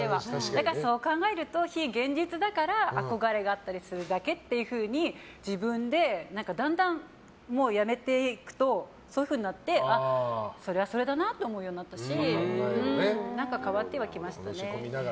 だからそう考えると非現実だから憧れがあったりするだけというふうに、自分でだんだん、辞めていくとそういうふうになってそれはそれだなと思うようになったし変わってはきましたね。